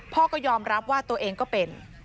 พ่อก็ยอมรับว่าตัวเองก็เป็น